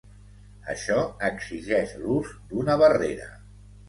Això exigeix l'ús d'una barrera.